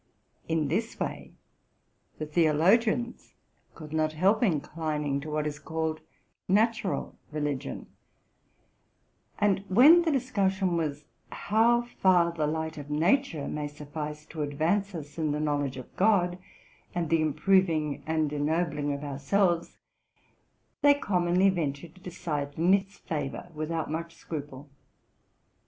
In this way the theologians could not help inclining e what is called natural religi ion; and, when the discussion w how far the light of nature may suffice to advance us in the knowledge of God and the improving and ennobling of our selves, they commonly ventured to decide in its favor without much scruple.